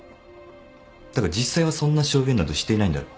だが実際はそんな証言などしていないんだろ？